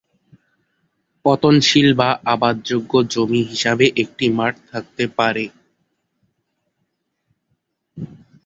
পতনশীল বা আবাদযোগ্য জমি হিসাবে একটি মাঠ থাকতে পারে।